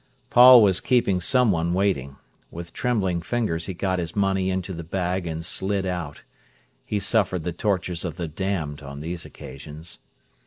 Paul was keeping someone waiting. With trembling fingers he got his money into the bag and slid out. He suffered the tortures of the damned on these occasions.